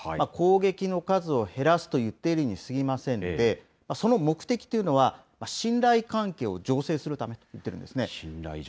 攻撃の数を減らすといっているにすぎませんので、その目的というのは、信頼関係を醸成するためといってるんですね。